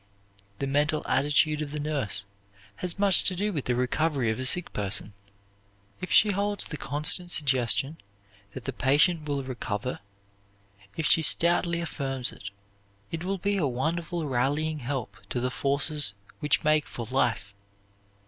The mental attitude of the nurse has much to do with the recovery of a sick person. If she holds the constant suggestion that the patient will recover; if she stoutly affirms it, it will be a wonderful rallying help to the forces which make for life.